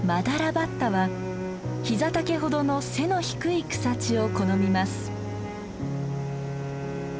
バッタは膝丈ほどの背の低い草地を好みます。